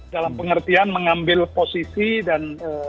dalam pengertian mengambil posisi dan